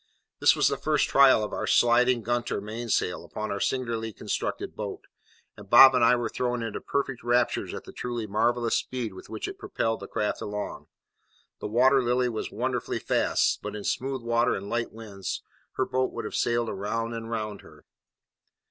This was the first trial of our sliding gunter mainsail upon our singularly constructed boat; and Bob and I were thrown into perfect raptures at the truly marvellous speed with which it propelled the craft along. The Water Lily was wonderfully fast; but in smooth water and light winds, her boat would have sailed round and round her.